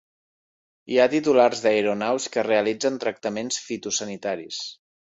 Hi ha titulars d'aeronaus que realitzen tractaments fitosanitaris.